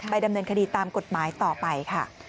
ดำเนินคดีตามกฎหมายต่อไปค่ะ